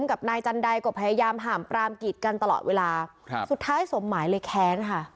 กรีดกันตลอดเวลาสุดท้ายสมหมายเลยแค้นค่ะ